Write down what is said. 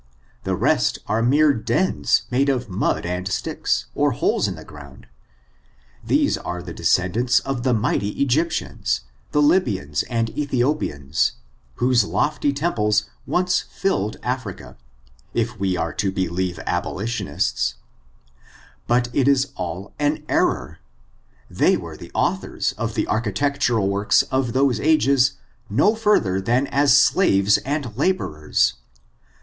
The rest are mere dens made of mud and sticks, or holes in the ground. These bre the descendants of the mighty Egyptians, the Lybians, and Ethiopians, whose lofty temples once filled Africa, if we are to believe abolitionists ; but it is all an error ; they were the authors of the architect ural works of those ages no further than as slaves and laborers.